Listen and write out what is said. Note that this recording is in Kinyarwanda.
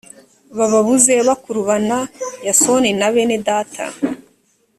bababuze bakurubana yasoni na bene data